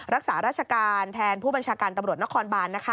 รักษาราชการแทนผู้บัญชาการตำรวจนครบานนะคะ